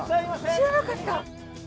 知らなかった。